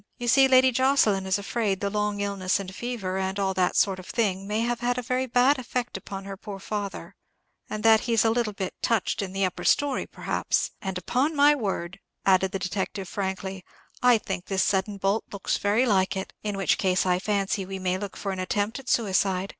You see, Lady Jocelyn is afraid the long illness and fever, and all that sort of thing, may have had a very bad effect upon her poor father, and that he's a little bit touched in the upper story, perhaps;—and, upon my word," added the detective, frankly, "I think this sudden bolt looks very like it. In which case I fancy we may look for an attempt at suicide.